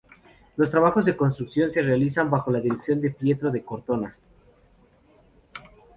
Los trabajos de reconstrucción se realizaron bajo la dirección de Pietro da Cortona.